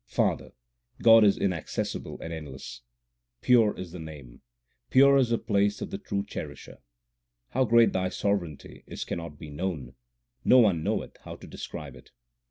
Father, God is inaccessible and endless. Pure is the Name ; pure is the place of the true Cherisher. How great Thy sovereignty is cannot be known ; no one knoweth how to describe it.